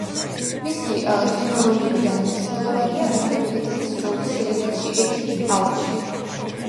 მისი კინოროლებიდან მნიშვნელოვანია რემი ჰედლის როლი სერიალში „ექიმი ჰაუსი“.